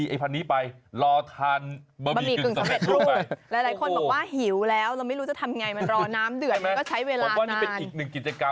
โอ้แต่แล้วค่ะค่ะ